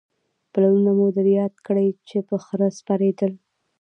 پلرونه مو در یاد کړئ چې په خره سپرېدل